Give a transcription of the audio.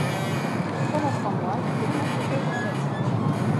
Pendant trois mois, il fréquente l'école dramatique.